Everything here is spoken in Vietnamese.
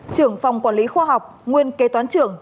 trưởng phòng quản lý khoa học nguyên kế toán trưởng